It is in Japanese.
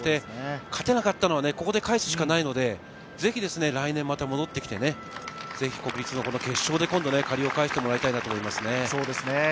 勝てなかったのは、ここで返すしかないので、ぜひ来年また戻ってきて、国立の決勝で今度借りを返してもらいたいなと思います。